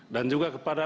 baru luar biasa